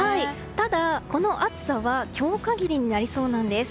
ただ、この暑さは今日限りになりそうなんです。